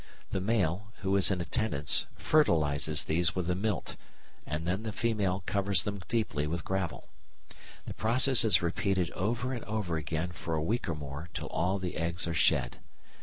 The male, who is in attendance, fertilises these with the milt, and then the female covers them deeply with gravel. The process is repeated over and over again for a week or more till all the eggs are shed.